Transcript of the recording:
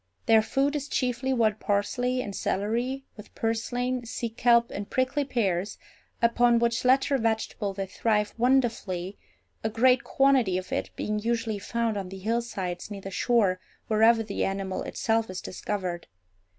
Their food is chiefly wild parsley and celery, with purslain, sea kelp, and prickly pears, upon which latter vegetable they thrive wonderfully, a great quantity of it being usually found on the hillsides near the shore wherever the animal itself is discovered.